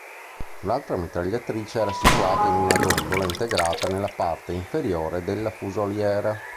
Un'altra mitragliatrice era situata in una gondola integrata nella parte inferiore della fusoliera.